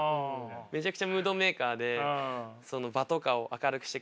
めちゃくちゃムードメーカーで場とかを明るくしてくれるんですけど。